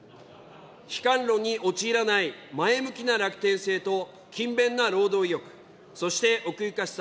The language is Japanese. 悲観論に陥らない前向きな楽天性と、勤勉な労働意欲、そして奥ゆかしさ。